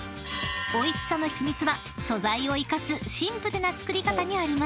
［おいしさの秘密は素材を生かすシンプルな作り方にあります］